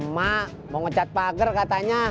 mak mau ngecat pagar katanya